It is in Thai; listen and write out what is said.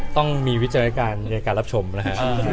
ต้องมีวิจัยการรับชมนะฮะ